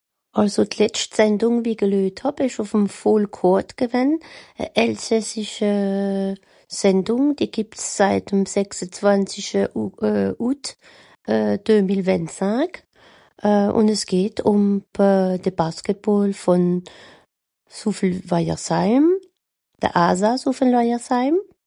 Àlso d'letscht Sendùng wie i geluejt hàb ìsch ùff'm (...) gewänn. E elsässische Sändùng, die gìbbt's seit'm sechsezwànzische Août euh... 2025. Euh... ùn es geht ùm euh de Basketbàll vùn Souffelweyersheim, de Alsa Souffelweyersheim.